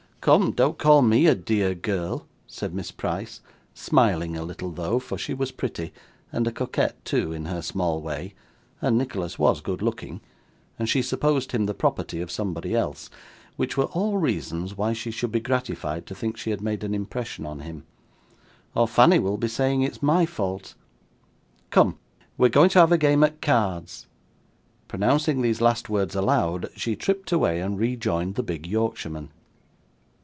'Come, don't call me a dear girl,' said Miss Price smiling a little though, for she was pretty, and a coquette too in her small way, and Nicholas was good looking, and she supposed him the property of somebody else, which were all reasons why she should be gratified to think she had made an impression on him, 'or Fanny will be saying it's my fault. Come; we're going to have a game at cards.' Pronouncing these last words aloud, she tripped away and rejoined the big Yorkshireman.